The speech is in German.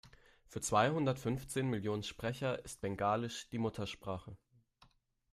Für zweihundertfünfzehn Millionen Sprecher ist Bengalisch die Muttersprache.